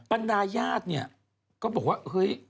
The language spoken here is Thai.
ปัณญาญาติก็บอกว่าเฮ้ย